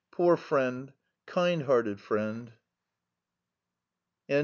Poor friend, kind hearted friend!